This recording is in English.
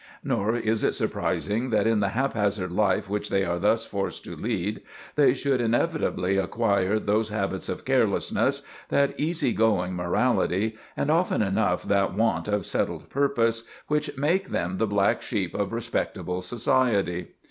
Nor is it surprising that, in the haphazard life which they are thus forced to lead, they should inevitably acquire those habits of carelessness, that easy going morality, and often enough that want of settled purpose, which make them the black sheep of respectable society.